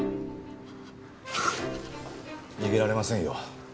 逃げられませんよ。